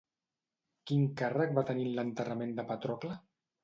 Quin càrrec va tenir en l'enterrament de Patrocle?